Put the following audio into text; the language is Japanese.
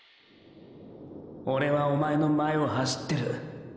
オレはおまえの前を走ってる。